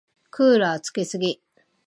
クーラーつけすぎ。